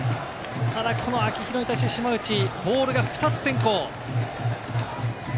秋広に対して島内、ボールが２つ先行。